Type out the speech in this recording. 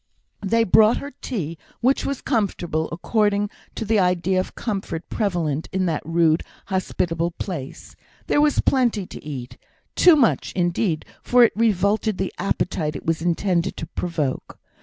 They brought her tea, which was comfortable, according to the idea of comfort prevalent in that rude, hospitable place; there was plenty to eat, too much, indeed, for it revolted the appetite it was intended to provoke.